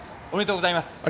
おめでとうございます。